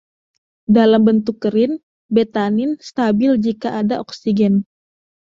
Dalam bentuk kering, betanin stabil jika ada oksigen.